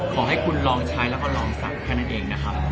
ขอให้คุณลองใช้แล้วก็ลองสั่งแค่นั้นเองนะครับ